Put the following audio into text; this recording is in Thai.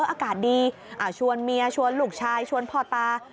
อากาศดีชวนเมียชวนลูกชายชวนพ่อตา